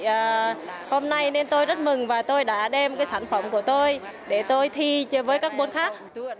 và hôm nay nên tôi rất mừng và tôi đã đem cái sản phẩm của tôi để tôi thi với các môn khác